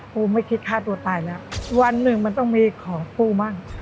กูไม่คิดฆ่าตัวตายแล้ววันหนึ่งมันต้องมีของกูมั่ง